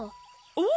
うん！